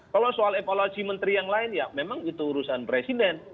kalau soal evaluasi menteri yang lain ya memang itu urusan presiden